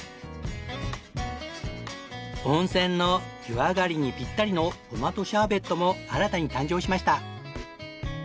温泉の湯上がりにピッタリのトマトシャーベットも新たに誕生しました。